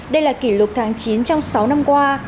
đây là kỷ lục tháng chín trong sáu năm qua